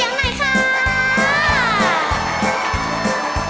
แล้วใส่พี่ใส่ไม่มาเอาใจ